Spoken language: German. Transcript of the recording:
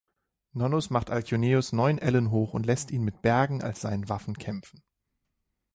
Nonnus macht Alcyoneus neun Ellen hoch und lässt ihn mit Bergen als seinen Waffen kämpfen.